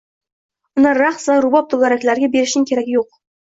uni raqs va rubob to‘garakalariga berishning keragi yo‘q.